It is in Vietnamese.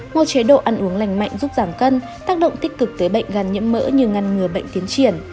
một chế độ ăn uống lành mạnh giúp giảm cân tác động tích cực tới bệnh gan nhiễm mỡ như ngăn ngừa bệnh tiến triển